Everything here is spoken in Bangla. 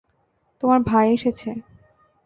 তোমার ভাই এসেছে।